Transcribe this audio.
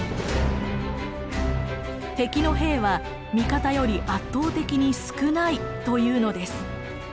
敵の兵は味方より圧倒的に少ないというのです。